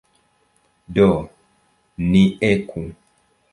Do, ni eku!